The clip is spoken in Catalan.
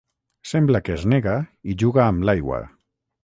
Sembla que es nega i juga amb l'aigua.